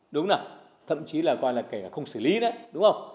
đúng không thậm chí là coi là kể cả không xử lý nữa đúng không